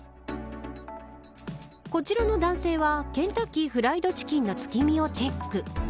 こちらの男性はケンタッキーフライドチキンの月見をチェック。